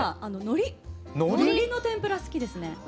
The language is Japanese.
のりの天ぷら好きですね。